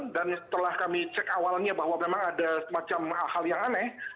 dan setelah kami cek awalnya bahwa memang ada semacam hal yang aneh